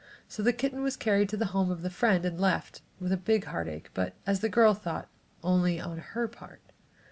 So the kitten was carried to the home of the friend and left, with a big heartache but, as the girl thought, only on her part.